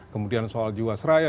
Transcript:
kemudian soal jiwasraya